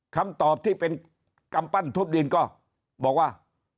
คำตอบที่เป็นกำปั้นทุบดินก็บอกว่า